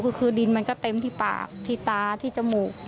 คือดินมันก็เต็มที่ปากที่ตาที่จมูก